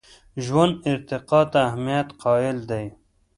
ژوند ارتقا ته اهمیت قایل دی.